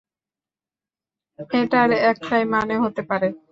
এটার একটাই মানে হতে পারে।